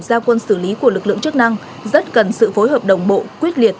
giao quân xử lý của lực lượng chức năng rất cần sự phối hợp đồng bộ quyết liệt